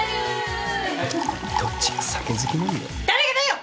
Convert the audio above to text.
どっちが酒好きなんだよ？